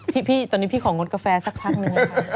พี่ตอนนี้พี่ของงดกาแฟสักพักหนึ่งนะคะ